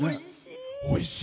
おいしい！